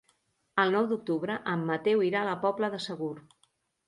El nou d'octubre en Mateu irà a la Pobla de Segur.